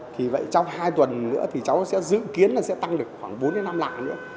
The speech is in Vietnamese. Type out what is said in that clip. thì vậy trong hai tuần nữa thì cháu sẽ dự kiến là sẽ tăng được khoảng bốn năm lạ nữa